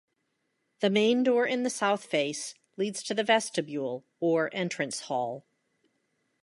The main door in the south face leads to the Vestibule or Entrance Hall.